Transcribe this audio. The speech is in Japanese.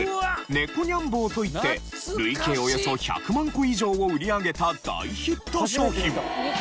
猫ニャンぼーといって累計およそ１００万個以上を売り上げた大ヒット商品。